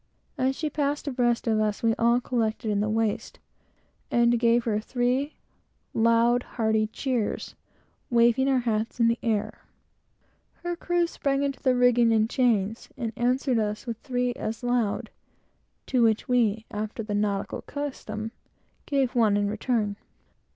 As she passed abreast of us, we all collected in the waist, and gave her three loud, hearty cheers, waving our hats in the air. Her crew sprang into the rigging and chains, answered us with three as loud, to which we, after the nautical custom, gave one in return.